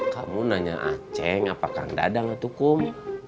kamu nanya aceng apakah anda ada gak atukum